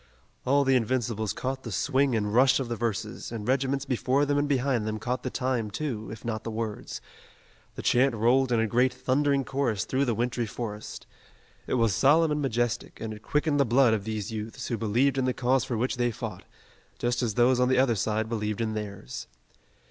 All the Invincibles caught the swing and rush of the verses, and regiments before them and behind them caught the time, too, if not the words. The chant rolled in a great thundering chorus through the wintry forest. It was solemn and majestic, and it quickened the blood of these youths who believed in the cause for which they fought, just as those on the other side believed in theirs.